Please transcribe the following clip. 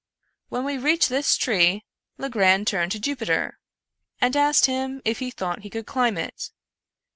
When we reached this tree, Legrand turned to Jupiter, and asked him if he thought he could climb it.